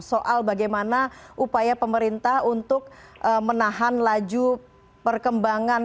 soal bagaimana upaya pemerintah untuk menahan laju perkembangan